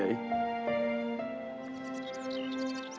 ratih terimalah suamimu sudah bertobat itu